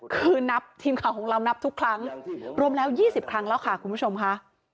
คือนับทีมข่าวของเรานับทุกครั้งรวมแล้ว๒๐ครั้งแล้วค่ะคุณผู้ชมค่ะ